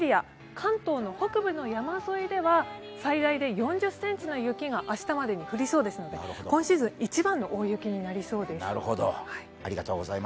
関東の北部の山沿いでは最大で４０ｃｍの雪が明日までに降りそうですので、今シーズン一番の大雪になりそうです。